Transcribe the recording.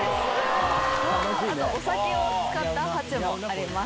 あとお酒を使ったファチェもあります。